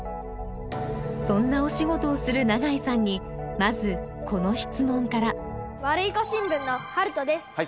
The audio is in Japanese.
そんなお仕事をする永井さんにまずこの質問からワルイコ新聞のはるとです。